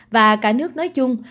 và cả nước nói chung